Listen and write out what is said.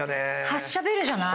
発車ベルじゃない？